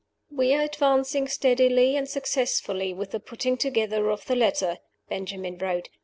"We are advancing steadily and successfully with the putting together of the letter," Benjamin wrote.